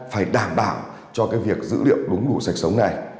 phải đảm bảo cho cái việc dữ liệu đúng đủ sạch sống này